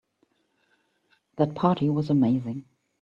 That party was amazing.